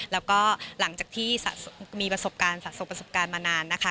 แล้วก็หลังจากที่มีประสบการณ์สะสมประสบการณ์มานานนะคะ